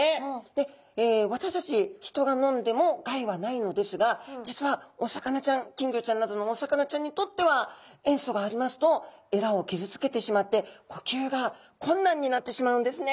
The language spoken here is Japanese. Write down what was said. で私たち人が飲んでも害はないのですが実はお魚ちゃん金魚ちゃんなどのお魚ちゃんにとっては塩素がありますとエラを傷つけてしまって呼吸が困難になってしまうんですね。